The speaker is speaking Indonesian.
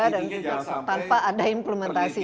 dan tanpa ada implementasinya